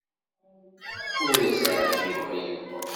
Ur as-ɛjibeɣ i Yuba.